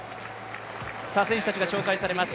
選手たちが紹介されます。